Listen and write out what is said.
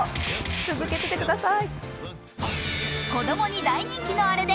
続けててくださーい。